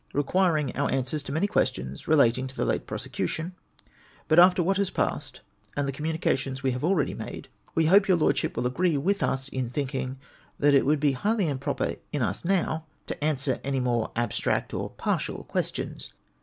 requiring our answers to many ques tions relating to the late prosecution ; but after what has passed, and the communications Ave have already made, we hope your Lordship Avill agree A\4tli us in thinking, that it Avould be highly improper in us noAV to answer any more abstract or partial questions.